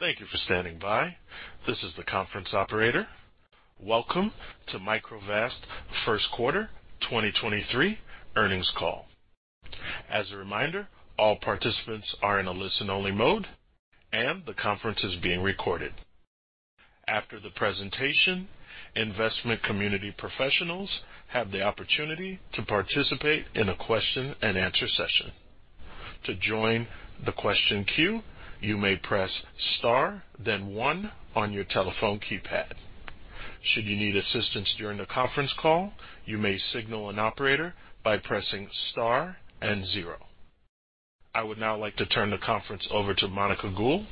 Thank you for standing by. This is the conference operator. Welcome to Microvast First Quarter 2023 Earnings Call. As a reminder, all participants are in a listen-only mode, and the conference is being recorded. After the presentation, investment community professionals have the opportunity to participate in a question-and-answer session. To join the question queue, you may press Star, then 1 on your telephone keypad. Should you need assistance during the conference call, you may signal an operator by pressing Star and zero. I would now like to turn the conference over to Monica Gould,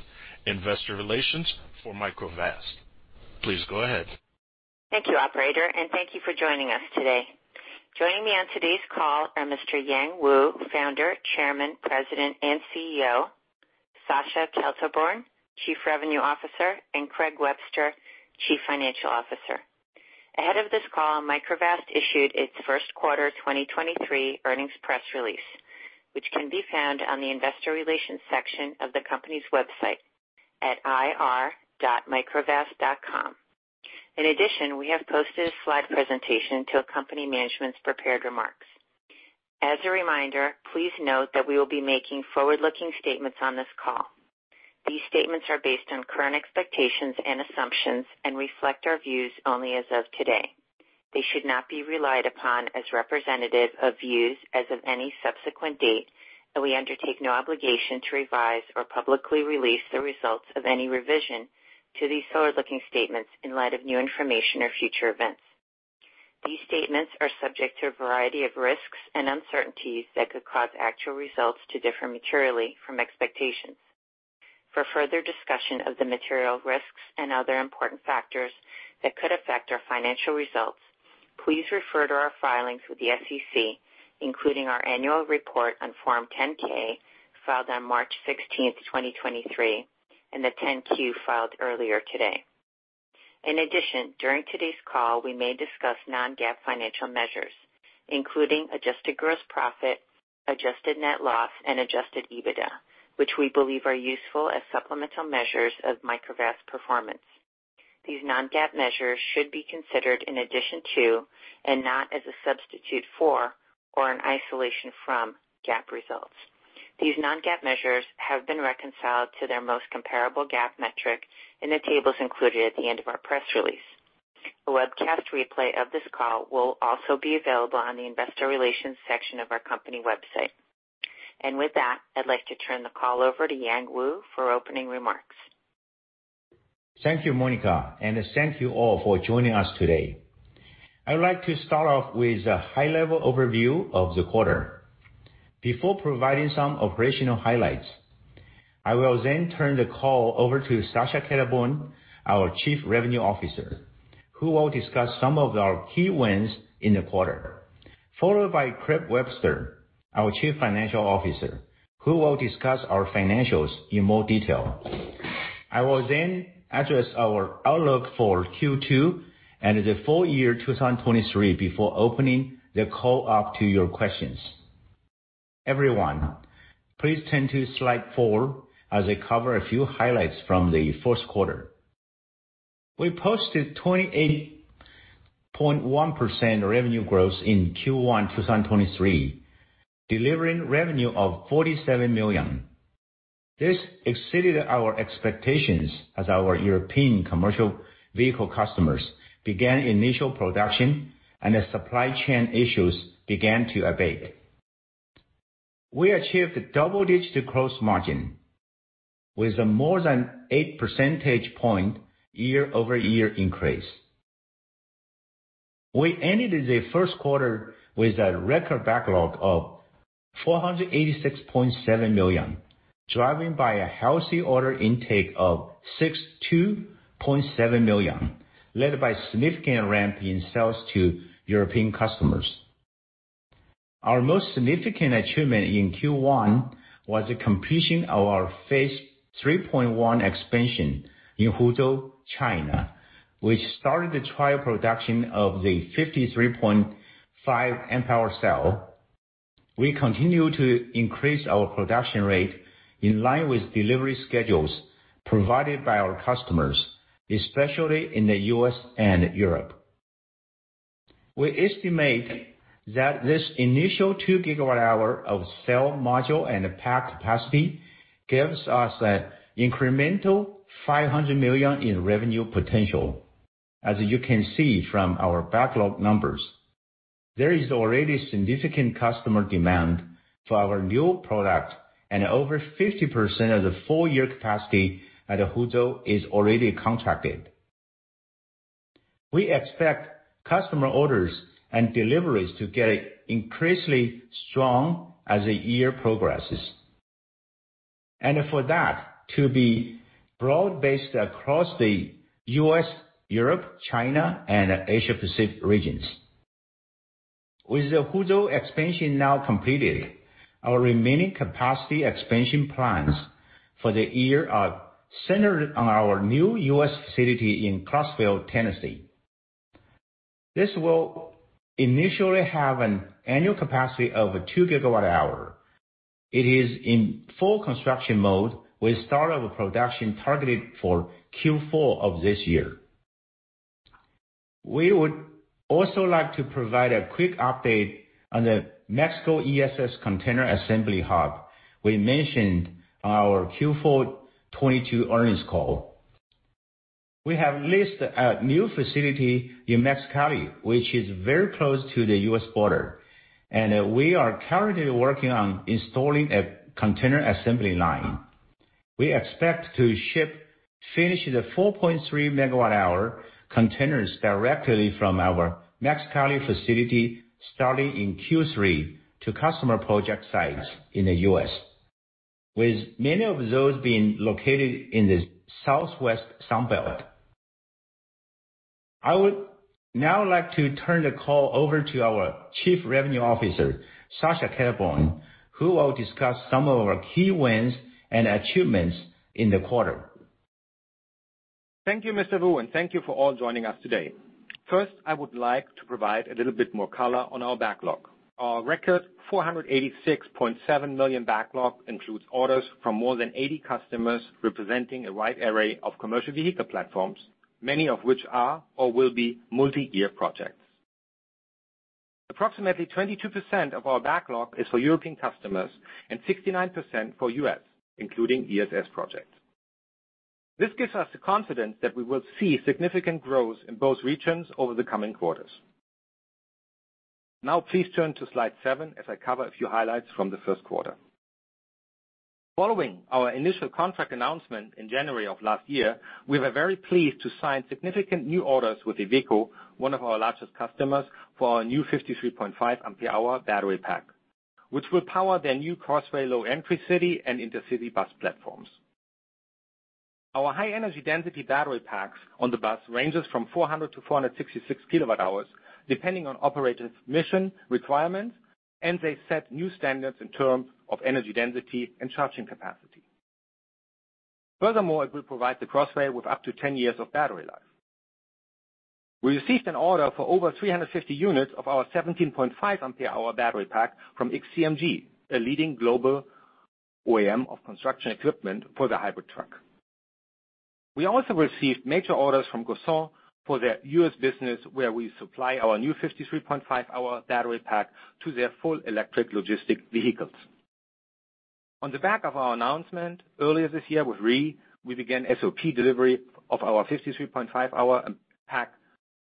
investor relations for Microvast. Please go ahead. Thank you, operator, and thank you for joining us today. Joining me on today's call are Mr. Yang Wu, Founder, Chairman, President, and CEO. Sascha Kelterborn, Chief Revenue Officer, and Craig Webster, Chief Financial Officer. Ahead of this call, Microvast issued its first 1/4 2023 earnings press release, which can be found on the investor relations section of the company's website at ir.microvast.com. In addition, we have posted a slide presentation to accompany management's prepared remarks. As a reminder, please note that we will be making forward-looking statements on this call. These statements are based on current expectations and assumptions and reflect our views only as of today. They should not be relied upon as representative of views as of any subsequent date, and we undertake no obligation to revise or publicly release the results of any revision to these forward-looking statements in light of new information or future events. These statements are subject to a variety of risks and uncertainties that could cause actual results to differ materially from expectations. For further discussion of the material risks and other important factors that could affect our financial results, please refer to our filings with the SEC, including our annual report on Form 10-K filed on March 16th, 2023, and the 10-Q filed earlier today. In addition, during today's call, we may discuss non-GAAP financial measures, including adjusted gross profit, adjusted net loss, and adjusted EBITDA, which we believe are useful as supplemental measures of Microvast performance. These non-GAAP measures should be considered in addition to and not as a substitute for or an isolation from GAAP results. These non-GAAP measures have been reconciled to their most comparable GAAP metric in the tables included at the end of our press release. A webcast replay of this call will also be available on the investor relations section of our company website. With that, I'd like to turn the call over to Yang Wu for opening remarks. Thank you, Monica, and thank you all for joining us today. I would like to start off with a high-level overview of the 1/4. Before providing some operational highlights, I will then turn the call over to Sascha Kelterborn, our Chief Revenue Officer, who will discuss some of our key wins in the 1/4, followed by Craig Webster, our Chief Financial Officer, who will discuss our financials in more detail. I will then address our outlook for Q2 and the full year 2023 before opening the call up to your questions. Everyone, please turn to slide 4 as I cover a few highlights from the first 1/4. We posted 28.1% revenue growth in Q1 2023, delivering revenue of $47 million. This exceeded our expectations as our European commercial vehicle customers began initial production and as supply chain issues began to abate. We achieved Double-digit gross margin with a more than 8 percentage point year-over-year increase. We ended the first 1/4 with a record backlog of $486.7 million, driving by a healthy order intake of $62.7 million, led by significant ramp in sales to European customers. Our most significant achievement in Q1 was the completion of our Phase 3.1 expansion in Huzhou, China, which started the trial production of the 53.5Ah cell. We continue to increase our production rate in line with delivery schedules provided by our customers, especially in the U.S. and Europe. We estimate that this initial 2 GWh of cell module and pack capacity gives us an incremental $500 million in revenue potential. As you can see from our backlog numbers, there is already significant customer demand for our new product and over 50% of the full year capacity at Huzhou is already contracted. We expect customer orders and deliveries to get increasingly strong as the year progresses. For that to be broad-based across the US, Europe, China, and Asia Pacific regions. With the Huzhou expansion now completed, our remaining capacity expansion plans for the year are centered on our new US facility in Clarksville, Tennessee. This will initially have an annual capacity of 2 GWh. It is in full construction mode with start of production targeted for Q4 of this year. We would also like to provide a quick update on the Mexico ESS container assembly hub we mentioned our Q4 2022 earnings call. We have leased a new facility in Mexicali, which is very close to the US border. We are currently working on installing a container assembly line. We expect to ship finished 4.3 MWh containers directly from our Mexicali facility starting in Q3 to customer project sites in the US, with many of those being located in the Southwest Sun Belt. I would now like to turn the call over to our Chief Revenue Officer, Sascha Kelterborn, who will discuss some of our key wins and achievements in the 1/4. Thank you, Mr. Wu. Thank you for all joining us today. First, I would like to provide a little bit more color on our backlog. Our record $486.7 million backlog includes orders from more than 80 customers, representing a wide array of commercial vehicle platforms, many of which are or will be Multi-year projects. Approximately 22% of our backlog is for European customers and 69% for US, including ESS projects. This gives us the confidence that we will see significant growth in both regions over the coming 1/4s. Please turn to slide 7 as I cover a few highlights from the first 1/4. Following our initial contract announcement in January of last year, we were very pleased to sign significant new orders with Iveco, 1 of our largest customers, for our new 53.5Ah battery pack, which will power their new Crossway low entry city and intercity bus platforms. Our high energy density battery packs on the bus ranges from 400-466 kWh, depending on operator's mission requirements, and they set new standards in terms of energy density and charging capacity. Furthermore, it will provide the Crossway with up to 10 years of battery life. We received an order for over 350 units of our 17.5Ah battery pack from XCMG, a leading global OEM of construction equipment for the hybrid truck. We also received major orders from Gaussin for their US business, where we supply our new 53.5Ah battery pack to their full electric logistic vehicles. On the back of our announcement earlier this year with REE, we began SOP delivery of our 53.5Ah pack,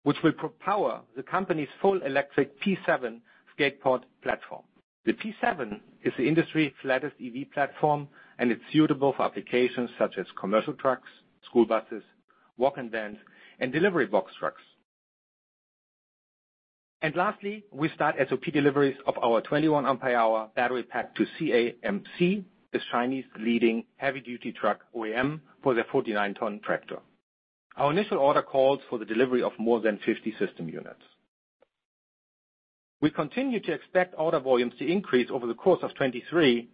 which will power the company's full electric T7 skate pod platform. The T7 is the industry's flattest EV platform, and it's suitable for applications such as commercial trucks, school buses, walk-in vans, and delivery box trucks. Lastly, we start SOP deliveries of our 21Ah battery pack to CAMC, the Chinese leading heavy duty truck OEM, for their 49 ton tractor. Our initial order calls for the delivery of more than 50 system units. We continue to expect order volumes to increase over the course of 2023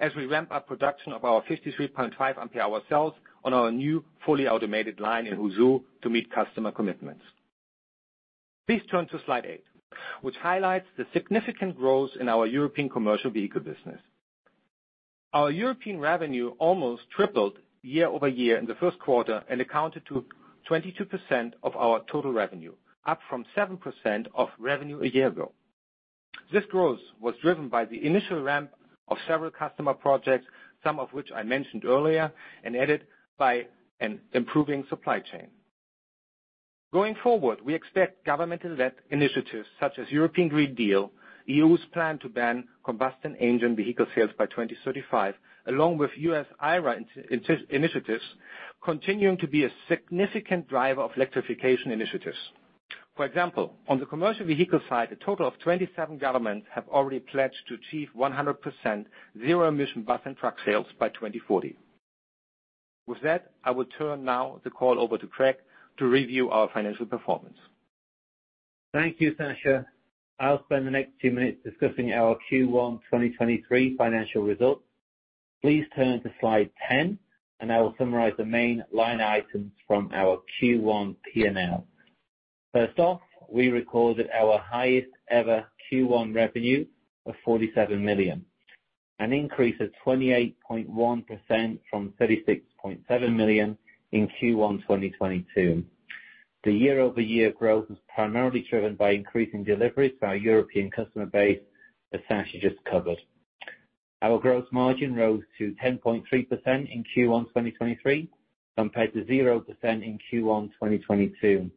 as we ramp up production of our 53.5Ah cells on our new fully automated line in Huzhou to meet customer commitments. Please turn to slide 8, which highlights the significant growth in our European commercial vehicle business. Our European revenue almost tripled year-over-year in the first 1/4 and accounted to 22% of our total revenue, up from 7% of revenue a year ago. This growth was driven by the initial ramp of several customer projects, some of which I mentioned earlier, and aided by an improving supply chain. Going forward, we expect government-led initiatives such as European Green Deal, EU's plan to ban combustion engine vehicle sales by 2035, along with US IRA initiatives continuing to be a significant driver of electrification initiatives. For example, on the commercial vehicle side, a total of 27 governments have already pledged to achieve 100% zero-emission bus and truck sales by 2040. With that, I will turn now the call over to Craig to review our financial performance. Thank you, Sascha. I'll spend the next few minutes discussing our Q1 2023 financial results. Please turn to slide 10, and I will summarize the main line items from our Q1 P&L. First off, we recorded our highest ever Q1 revenue of $47 million, an increase of 28.1% from $36.7 million in Q1 2022. The year-over-year growth was primarily driven by increasing deliveries to our European customer base that Sascha just covered. Our gross margin rose to 10.3% in Q1 2023, compared to 0% in Q1 2022.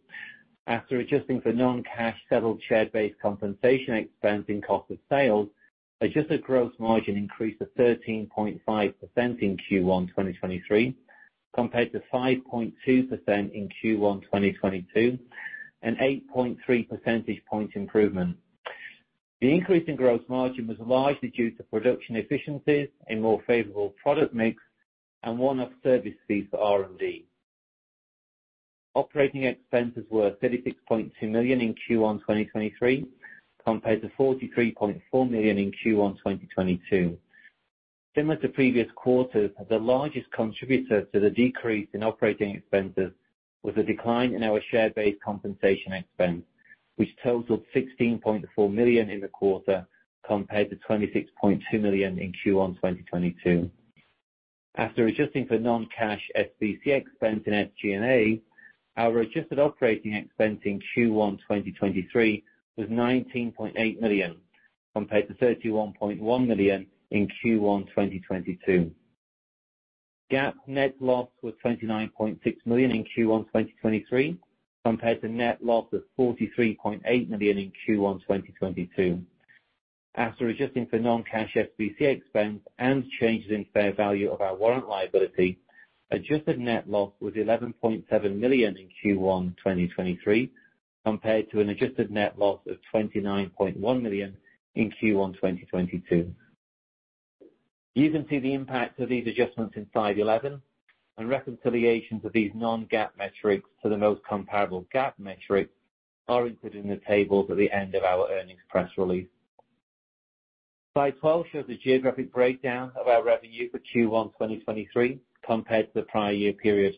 After adjusting for non-cash settled share-based compensation expense and cost of sales, adjusted gross margin increased to 13.5% in Q1 2023, compared to 5.2% in Q1 2022, an 8.3 percentage point improvement. The increase in gross margin was largely due to production efficiencies and more favorable product mix and one-off service fees for R&D. Operating expenses were $36.2 million in Q1 2023, compared to $43.4 million in Q1 2022. Similar to previous 1/4s, the largest contributor to the decrease in operating expenses was a decline in our share-based compensation expense, which totaled $16.4 million in the 1/4 compared to $26.2 million in Q1 2022. After adjusting for non-cash SBC expense in SG&A, our adjusted operating expense in Q1 2023 was $19.8 million compared to $31.1 million in Q1 2022. GAAP net loss was $29.6 million in Q1 2023 compared to net loss of $43.8 million in Q1 2022. After adjusting for non-cash SBC expense and changes in fair value of our warrant liability, adjusted net loss was $11.7 million in Q1 2023 compared to an adjusted net loss of $29.1 million in Q1 2022. You can see the impact of these adjustments in slide 11 and reconciliations of these non-GAAP metrics to the most comparable GAAP metrics are included in the tables at the end of our earnings press release. Slide 12 shows the geographic breakdown of our revenue for Q1 2023 compared to the prior year period.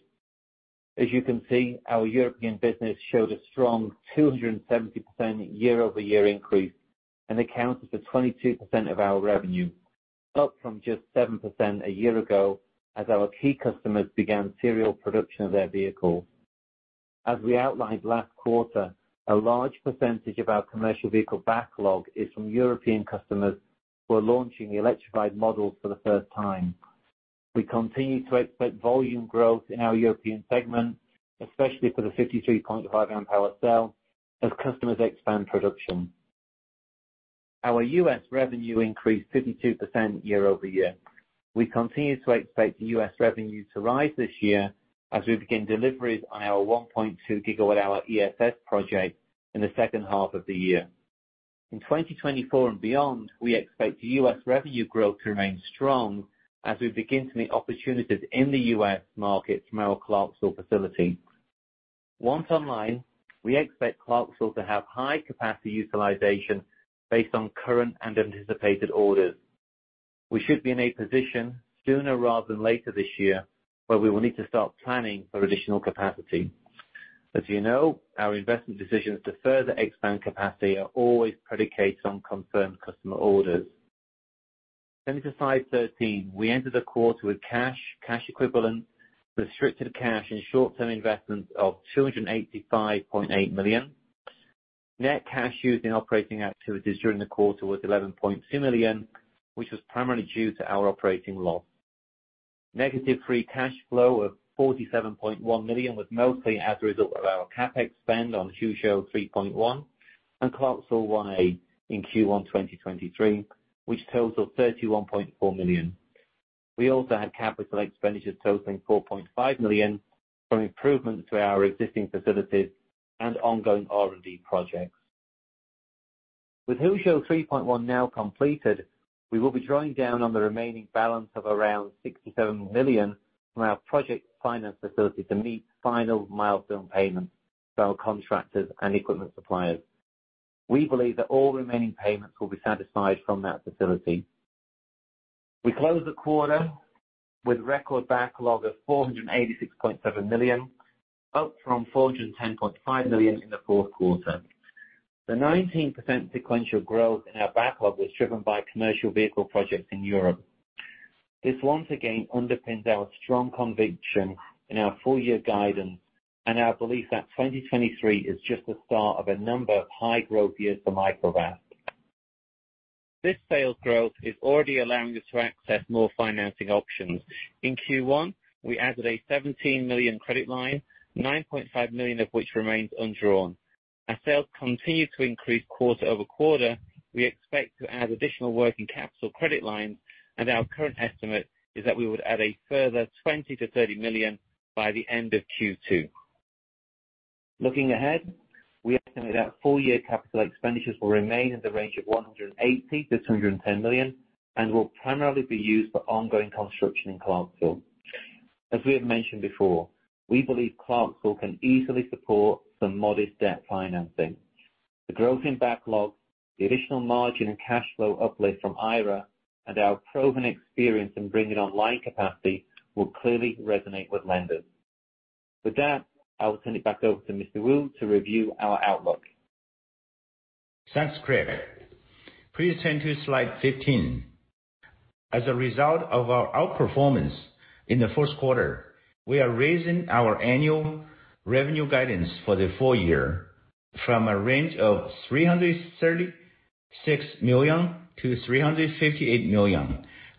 As you can see, our European business showed a strong 270% year-over-year increase and accounted for 22% of our revenue, up from just 7% a year ago as our key customers began serial production of their vehicles. As we outlined last 1/4, a large percentage of our commercial vehicle backlog is from European customers who are launching electrified models for the first time. We continue to expect volume growth in our European segment, especially for the 53.5Ah cell as customers expand production. Our US revenue increased 52% year-over-year. We continue to expect the US revenue to rise this year as we begin deliveries on our 1.2 gigawatt hour ESS project in the second 1/2 of the year. In 2024 and beyond, we expect the US revenue growth to remain strong as we begin to meet opportunities in the US market from our Clarksville facility. Once online, we expect Clarksville to have high capacity utilization based on current and anticipated orders. We should be in a position sooner rather than later this year where we will need to start planning for additional capacity. As you know, our investment decisions to further expand capacity are always predicated on confirmed customer orders. Turning to slide 13. We entered the 1/4 with cash equivalents, restricted cash and short-term investments of $285.8 million. Net cash used in operating activities during the 1/4 was $11.2 million, which was primarily due to our operating loss. Negative free cash flow of $47.1 million was mostly as a result of our CapEx spend on Huzhou 3.1 and Clarksville 1.8 in Q1 2023, which totals $31.4 million. We also had capital expenditures totaling $4.5 million from improvements to our existing facilities and ongoing R&D projects. With Huzhou 3.1 now completed, we will be drawing down on the remaining balance of around $67 million from our project finance facility to meet final milestone payments to our contractors and equipment suppliers. We believe that all remaining payments will be satisfied from that facility. We closed the 1/4 with record backlog of $486.7 million, up from $410.5 million in the 4th 1/4. The 19% sequential growth in our backlog was driven by commercial vehicle projects in Europe. This once again underpins our strong conviction in our full year guidance and our belief that 2023 is just the start of a number of high growth years for Microvast. This sales growth is already allowing us to access more financing options. In Q1, we added a $17 million credit line, $9.5 million of which remains undrawn. As sales continue to increase 1/4-over-quarter, we expect to add additional working capital credit lines, and our current estimate is that we would add a further $20 million-$30 million by the end of Q2. Looking ahead, we estimate our full year CapEx will remain in the range of $180 million-$210 million and will primarily be used for ongoing construction in Clarksville. As we have mentioned before, we believe Clarksville can easily support some modest debt financing. The growth in backlog, the additional margin and cash flow uplift from IRA and our proven experience in bringing online capacity will clearly resonate with lenders. With that, I will turn it back over to Mr. Wu to review our outlook. Thanks, Craig. Please turn to slide 15. As a result of our outperformance in the first 1/4, we are raising our annual revenue guidance for the full year from a range of $336 million to $358 million,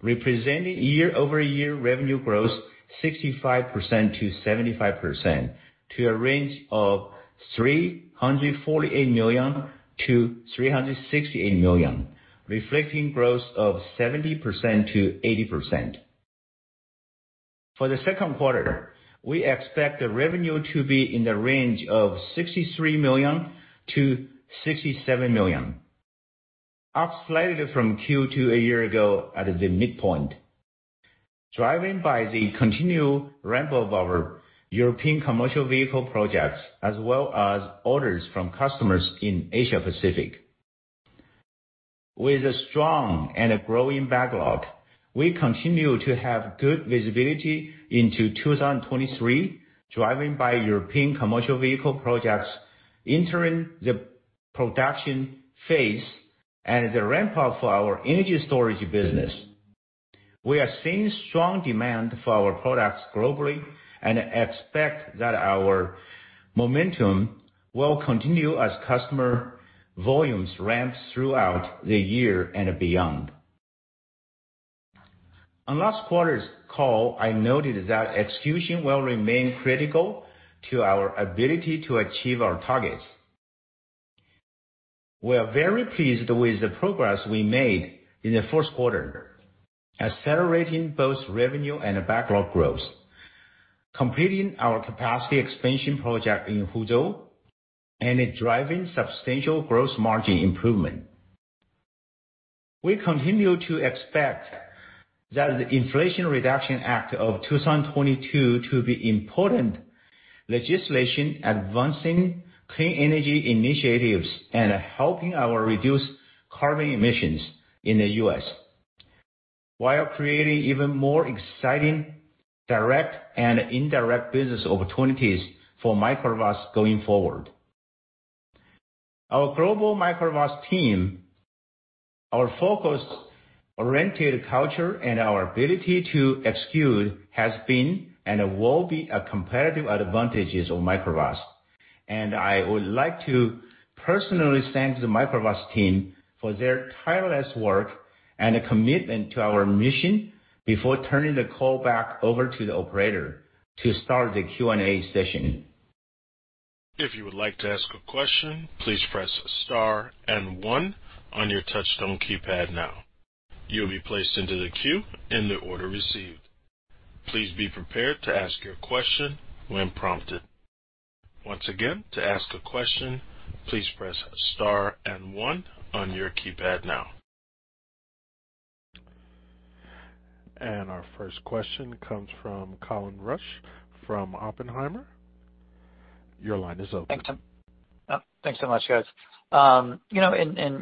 representing year-over-year revenue growth 65%-75% to a range of $348 million to $368 million, reflecting growth of 70%-80%. For the second 1/4, we expect the revenue to be in the range of $63 million to $67 million, up slightly from Q2 a year ago at the midpoint. Driving by the continued ramp of our European commercial vehicle projects as well as orders from customers in Asia Pacific. With a strong and a growing backlog, we continue to have good visibility into 2023, driving by European commercial vehicle projects, entering the production phase and the ramp up for our energy storage business. We are seeing strong demand for our products globally and expect that our momentum will continue as customer volumes ramp throughout the year and beyond. On last 1/4's call, I noted that execution will remain critical to our ability to achieve our targets. We are very pleased with the progress we made in the first 1/4, accelerating both revenue and backlog growth, completing our capacity expansion project in Huzhou and driving substantial gross margin improvement. We continue to expect that the Inflation Reduction Act of 2022 to be important legislation advancing clean energy initiatives and helping our reduce carbon emissions in the US, while creating even more exciting direct and indirect business opportunities for Microvast going forward. Our global Microvast team, our focus-oriented culture, and our ability to execute has been and will be a competitive advantages of Microvast. I would like to personally thank the Microvast team for their tireless work and commitment to our mission before turning the call back over to the operator to start the Q&A session. If you would like to ask a question, please press star and 1 on your touchtone keypad now. You will be placed into the queue in the order received. Please be prepared to ask your question when prompted. Once again, to ask a question, please press star and 1 on your keypad now. Our first question comes from Colin Rusch from Oppenheimer. Your line is open. Thanks so, thanks so much, guys. You know,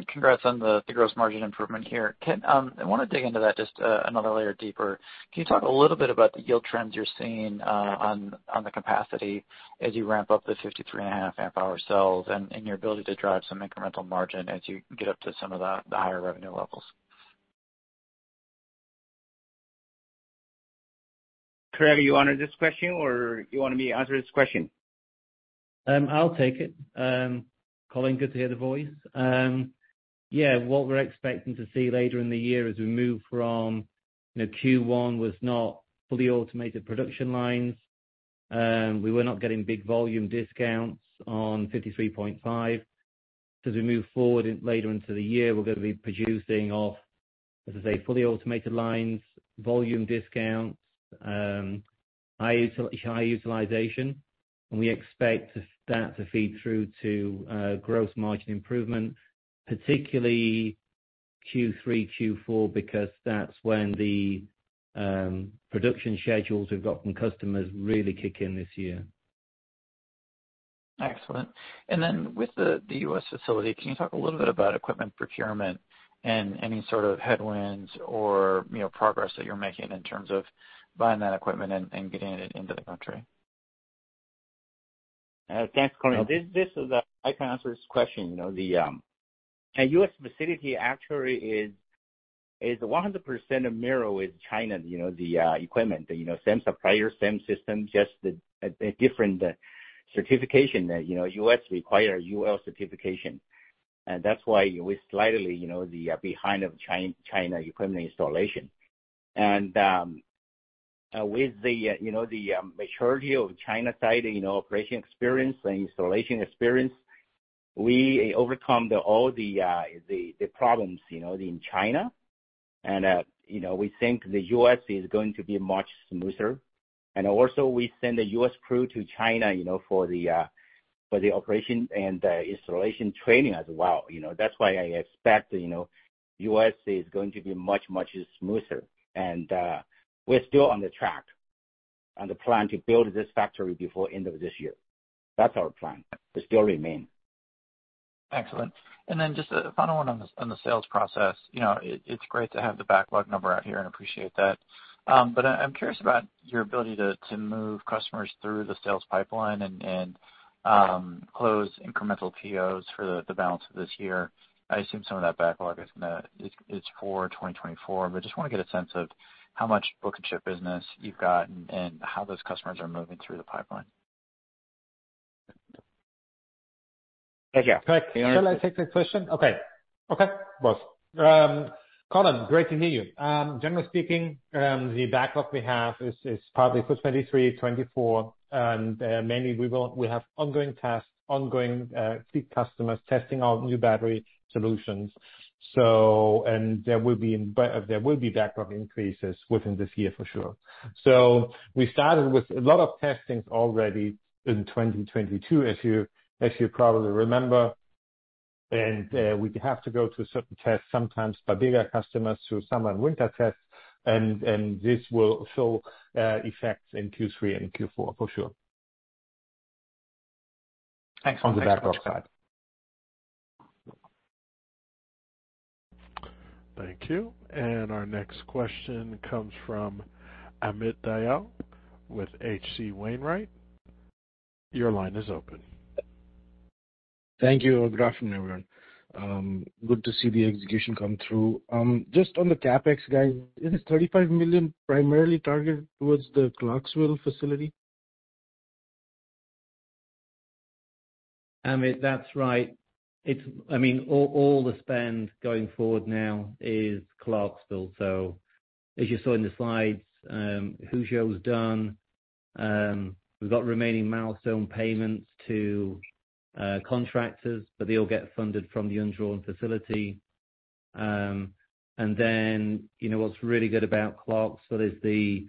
congrats on the gross margin improvement here. Can, I wanna dig into that just another layer deeper. Can you talk a little bit about the yield trends you're seeing on the capacity as you ramp up the 53.5 amp hour cells and your ability to drive some incremental margin as you get up to some of the higher revenue levels? Colin, you want to this question or you want me to answer this question? I'll take it. Colin, good to hear the voice. Yeah, what we're expecting to see later in the year as we move from, you know, Q1 was not fully automated production lines. We were not getting big volume discounts on 53.5Ah. As we move forward later into the year, we're gonna be producing of, as I say, fully automated lines, volume discounts, high utilization. We expect that to feed through to gross margin improvement, particularly Q3, Q4, because that's when the production schedules we've got from customers really kick in this year. Excellent. Then with the US facility, can you talk a little bit about equipment procurement and any sort of headwinds or, you know, progress that you're making in terms of buying that equipment and getting it into the country? Thanks, Colin. This is the I can answer this question. You know, the U.S. facility actually is 100% a mirror with China, you know, the equipment. You know, same supplier, same system, just a different certification. You know, U.S. require UL certification. That's why we slightly, you know, behind of China equipment installation. With the, you know, the maturity of China side, you know, operation experience and installation experience, we overcome the all the problems, you know, in China. You know, we think the U.S. is going to be much smoother. Also we send a U.S. crew to China, you know, for the operation and the installation training as well, you know. That's why I expect, you know, U.S. is going to be much, much smoother. We're still on the track, on the plan to build this factory before end of this year. That's our plan. It still remain. Excellent. Just a final 1 on the sales process. You know, it's great to have the backlog number out here, and appreciate that. I'm curious about your ability to move customers through the sales pipeline and close incremental POs for the balance of this year. I assume some of that backlog it's for 2024. Just wanna get a sense of how much book and ship business you've got and how those customers are moving through the pipeline. Thank you. Can I take the question? Okay. Okay, boss. Colin, great to meet you. Generally speaking, the backlog we have is probably for 2023, 2024, and, mainly we have ongoing tests, ongoing key customers testing our new battery solutions. There will be backlog increases within this year for sure. We started with a lot of testings already in 2022, as you probably remember. We have to go through certain tests sometimes by bigger customers through summer and winter tests. This will show effects in Q3 and Q4 for sure. Thanks. On the backlog side. Thank you. Our next question comes from Amit Dayal with H.C. Wainwright. Your line is open. Thank you. Good afternoon, everyone. Good to see the execution come through. Just on the CapEx guide, is $35 million primarily targeted towards the Clarksville facility? Amit, that's right. I mean, all the spend going forward now is Clarksville. As you saw in the slides, Huzhou is done. We've got remaining milestone payments to contractors, they all get funded from the undrawn facility. You know, what's really good about Clarksville is the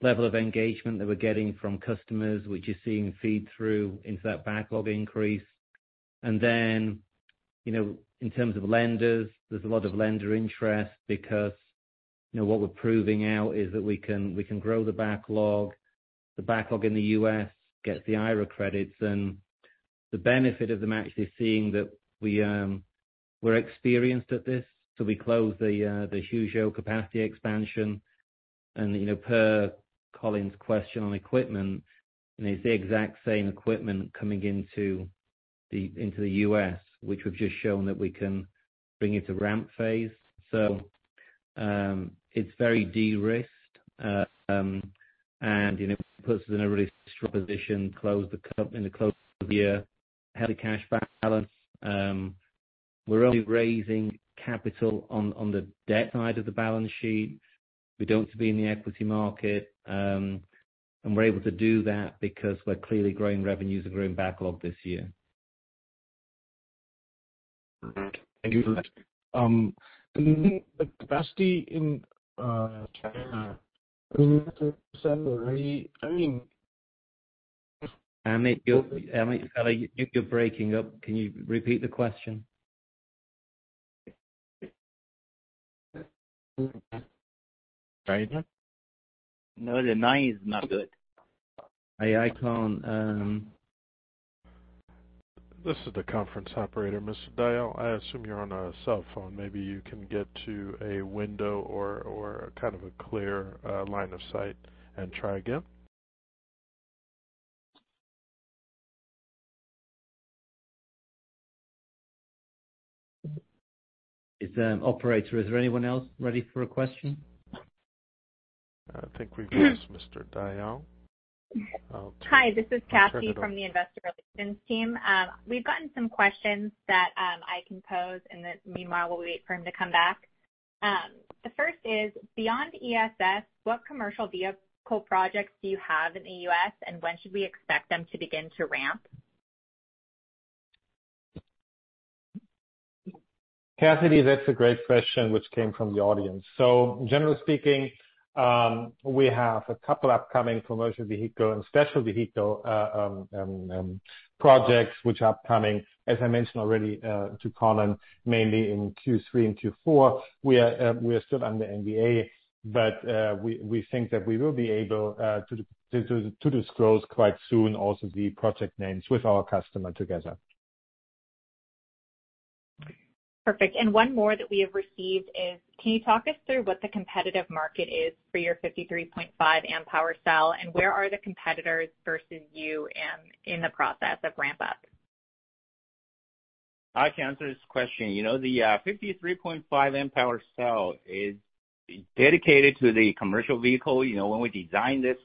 level of engagement that we're getting from customers, which is seeing feed through into that backlog increase. You know, in terms of lenders, there's a lot of lender interest because, you know, what we're proving out is that we can grow the backlog. The backlog in the US gets the IRA credits and the benefit of them actually seeing that we're experienced at this. We close the Huzhou capacity expansion. You know, per Colin's question on equipment, it's the exact same equipment coming into the US, which we've just shown that we can bring it to ramp phase. It's very de-risked, and, you know, puts us in a really strong position in the close of the year. Heavy cash balance. We're only raising capital on the debt side of the balance sheet. We don't have to be in the equity market. We're able to do that because we're clearly growing revenues and growing backlog this year. Thank you for that. The capacity in China. Amit, you're breaking up. Can you repeat the question? Sorry? No, the line is not good. I can't. This is the conference operator. Mr. Dayal, I assume you're on a cell phone. Maybe you can get to a window or kind of a clear line of sight and try again. Is, operator, is there anyone else ready for a question? I think we've lost Mr. Dayal. I'll turn it over- Hi, this is Cassie from the investor relations team. We've gotten some questions that I can pose. Meanwhile, we'll wait for him to come back. The first is, beyond ESS, what commercial vehicle projects do you have in the US, and when should we expect them to begin to ramp? Cassidy, that's a great question which came from the audience. Generally speaking, we have a couple upcoming commercial vehicle and special vehicle projects which are upcoming, as I mentioned already to Colin, mainly in Q3 and Q4. We are still under NDA, we think that we will be able to disclose quite soon also the project names with our customer together. Perfect. 1 more that we have received is, can you talk us through what the competitive market is for your 53.5Ah cell. Where are the competitors versus you in the process of ramp up? I can answer this question. You know the 53.5Ah cell is dedicated to the commercial vehicle. You know, when we designed this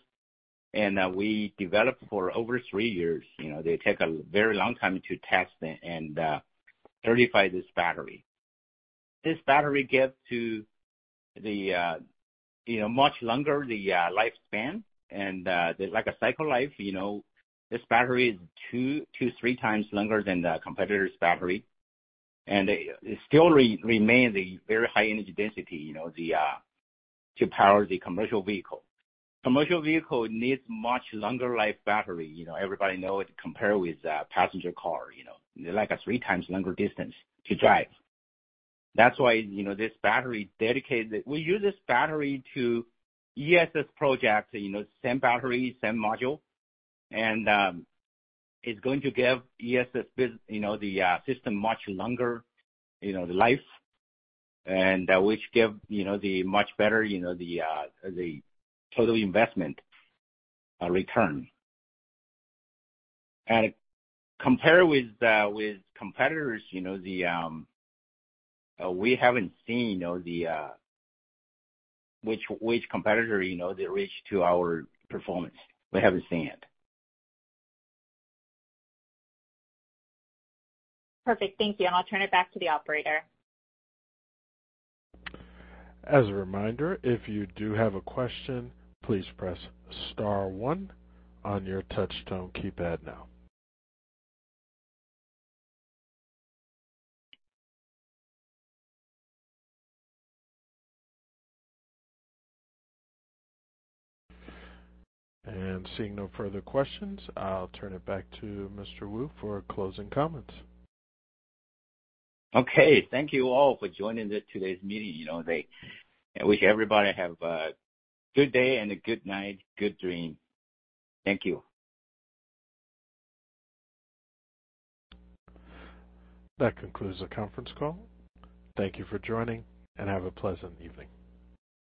and we developed for over three years, you know, they take a very long time to test and certify this battery. This battery give to the, you know, much longer the lifespan and like a cycle life. You know, this battery is 2 to 3 times longer than the competitor's battery, and it still remain the very high energy density, you know, to power the commercial vehicle. Commercial vehicle needs much longer life battery. You know, everybody know it compare with the passenger car. You know, like a 3 times longer distance to drive. That's why, you know, We use this battery to ESS project, you know, same battery, same module. It's going to give ESS, you know, the system much longer, you know, life and which give you know the much better, you know, the total investment return. Compare with competitors, you know, we haven't seen, you know, which competitor, you know, they reach to our performance. We haven't seen it. Perfect. Thank you. I'll turn it back to the operator. As a reminder, if you do have a question, please press star 1 on your touch tone keypad now. Seeing no further questions, I'll turn it back to Mr. Wu for closing comments. Okay. Thank you all for joining the today's meeting, you know, today. I wish everybody have a good day and a good night. Good dream. Thank you. That concludes the conference call. Thank you for joining, and have a pleasant evening.